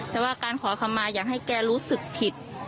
แต่ว่าการขอคำมาอยากให้แกรู้สึกผิด